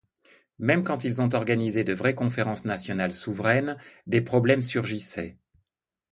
Même quand ils ont organisé de vraies conférences nationales souveraines, des problèmes surgissaient.